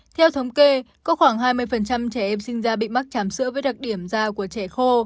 theo thống kê có khoảng hai mươi trẻ em sinh ra bị mắc chảm sữa với đặc điểm da của trẻ khô